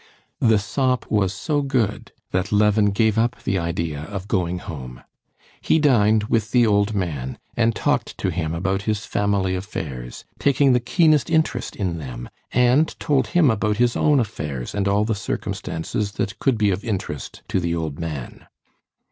The sop was so good that Levin gave up the idea of going home. He dined with the old man, and talked to him about his family affairs, taking the keenest interest in them, and told him about his own affairs and all the circumstances that could be of interest to the old man.